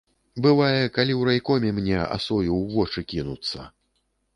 Бывае, калі ў райкоме мне асою ў вочы кінуцца.